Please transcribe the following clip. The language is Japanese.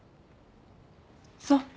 そう。